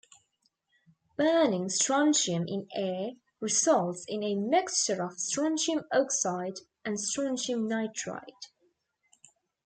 Burning strontium in air results in a mixture of strontium oxide and strontium nitride.